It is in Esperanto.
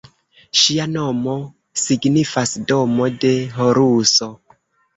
Ŝia nomo signifas "Domo de Horuso".